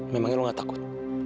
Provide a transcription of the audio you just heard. memangnya lo gak takut